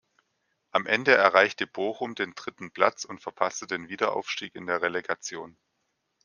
Am Ende erreichte Bochum den dritten Platz und verpasste den Wiederaufstieg in der Relegation.